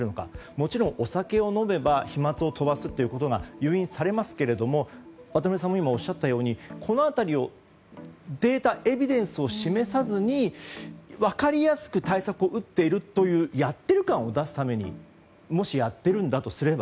もちろんお酒を飲めば飛沫を飛ばすということが誘引されますけども渡辺さんもおっしゃったようにこの辺りをデータ、エビデンスを示さずに分かりやすく対策を打っているというやっている感を出すためにやっているんだとすれば。